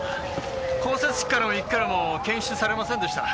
降雪機からも雪からも検出されませんでした。